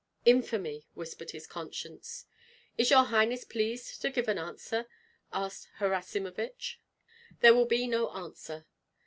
"Infamy!" whispered his conscience. "Is your highness pleased to give an answer?" asked Harasimovich. "There will be no answer."